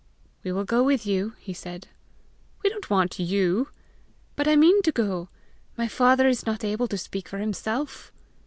"We will go with you," he said. "We don't want YOU!" "But I mean to go! My father is not able to speak for himself!"